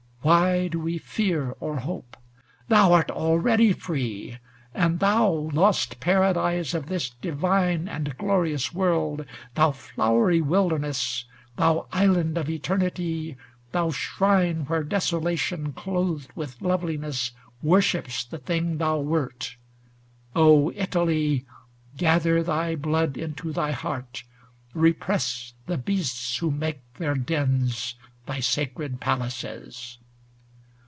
Why do we fear or hope ? thou art already free ! And thou, lost Paradise of this divine And glorious world ! thou flowery wilderness ! Thou island of eternity ! thou shrine Where desolation clothed with loveli ness Worships the thing thou wert ! O Italy, Gather thy blood into thy heart; repress The beasts who make their dens thy sacred palaces.